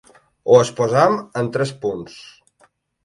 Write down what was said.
Ho exposem en tres punts.